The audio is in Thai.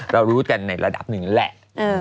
เรารู้กันในระดับหนึ่งแหละ